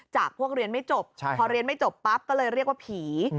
จากพวกเรียนไม่จบพอเรียนไม่จบปั๊บก็เลยเรียกว่าผี